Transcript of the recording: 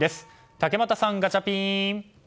竹俣さん、ガチャピン！